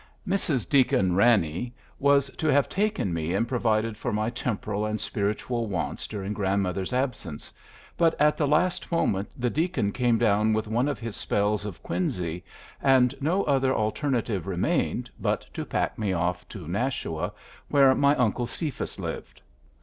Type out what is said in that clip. Mrs. Deacon Ranney was to have taken me and provided for my temporal and spiritual wants during grandmother's absence, but at the last moment the deacon came down with one of his spells of quinsy, and no other alternative remained but to pack me off to Nashua, where my Uncle Cephas lived.